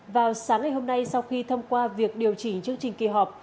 vào sáng ngày hôm nay sau khi thông qua việc điều chỉnh chương trình kỳ họp